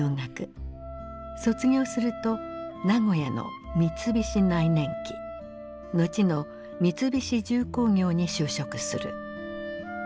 卒業すると名古屋の三菱内燃機後の三菱重工業に就職する。